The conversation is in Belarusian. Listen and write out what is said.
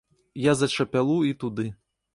Я за чапялу, і туды.